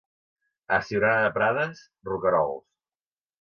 A Siurana de Prades, roquerols.